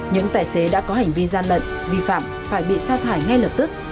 những tài xế đã có hành vi gian lận vi phạm phải bị sa thải ngay lập tức